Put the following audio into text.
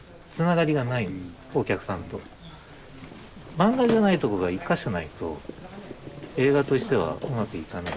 マンガじゃないところが１か所ないと映画としてはうまくいかない。